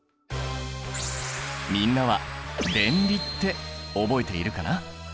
みんなは電離って覚えているかな？